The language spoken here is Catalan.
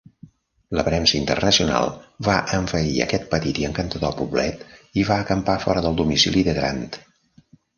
La premsa internacional va envair aquest petit i encantador poblet i va acampar fora del domicili de Grant.